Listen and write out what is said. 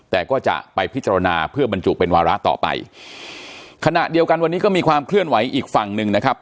แต่ก็จะไปพิจารณาเพื่อบรรจุเป็นวาระต่อไปขณะเดียวกันวันนี้ก็มีความเคลื่อนไหวอีกฝั่งหนึ่งนะครับ